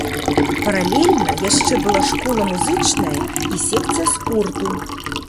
Паралельна яшчэ была школа музычная і секцыя спорту.